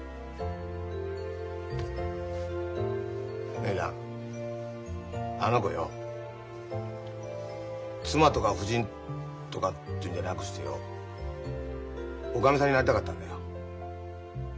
姉ちゃんあの子よ妻とか夫人とかっていうんじゃなくしてよおかみさんになりたかったんだよ。